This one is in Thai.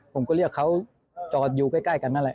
ผมก็เรียกเขาจอดอยู่ใกล้กันนั่นแหละ